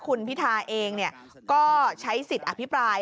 คุณพิธาเองก็ใช้สิทธิ์อภิปราย